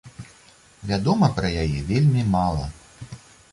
Вядома пра яе вельмі мала.